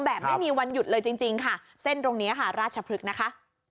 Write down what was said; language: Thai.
แบบไม่มีวันหยุดเลยจริงจริงค่ะเส้นตรงนี้ค่ะราชพฤกษ์นะคะ